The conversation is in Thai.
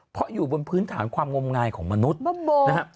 เพราะอยู่บนพื้นฐานความงมงายของมนุษย์นะฮะ